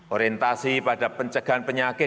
orientasi pada pencegahan penyakit